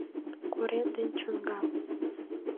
Корем ден чоҥга.